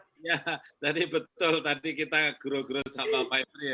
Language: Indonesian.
iya tadi betul tadi kita gurau gurau sama pak maidri ya